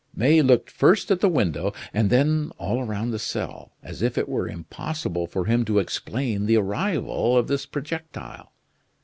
May looked first at the window, and then all round the cell, as if it were impossible for him to explain the arrival of this projectile.